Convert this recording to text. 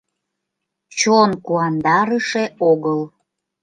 Чон куандарыше огыл.